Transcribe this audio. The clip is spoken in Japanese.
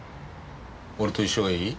俺と一緒がいい？